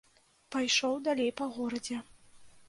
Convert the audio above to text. Пайшоў далей па горадзе.